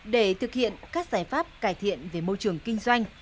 để thực hiện các giải pháp cải thiện về môi trường kinh doanh